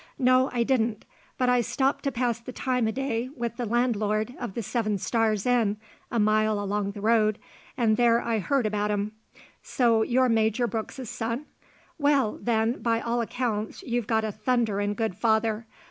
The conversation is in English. "No, I didn't. But I stopped to pass the time o' day with the landlord of the Seven Stars Inn, a mile along the road, and there I heard about 'en. So you're Major Brooks's son? Well, then, by all accounts you've got a thunderin' good father.